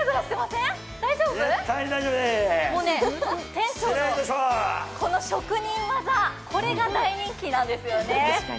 店長のこの職人技、これが大人気なんですよね。